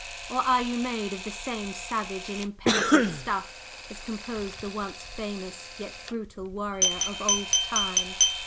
Or are you made of the same savage and impenitent stuff as composed the once famous yet brutal warrior of old time?